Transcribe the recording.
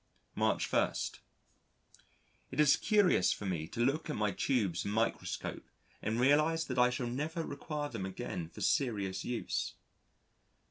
March 1. It is curious for me to look at my tubes and microscope and realise that I shall never require them again for serious use.